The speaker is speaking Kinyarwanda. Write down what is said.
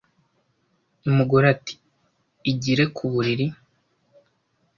umugore ati: "Igire ku buriri,